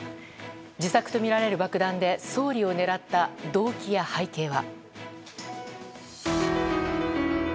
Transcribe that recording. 自作とみられる爆弾で総理を狙った動機や背景は。